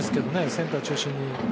センター中心に。